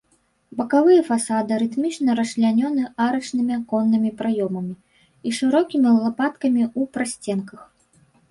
Бакавыя фасады рытмічна расчлянёны арачнымі аконнымі праёмамі і шырокімі лапаткамі ў прасценках.